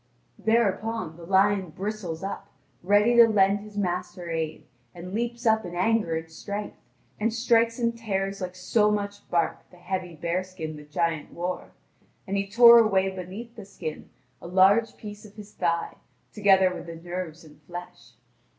Thereupon the lion bristles up, ready to lend his master aid, and leaps up in his anger and strength, and strikes and tears like so much bark the heavy bearskin the giant wore, and he tore away beneath the skin a large piece of his thigh, together with the nerves and flesh.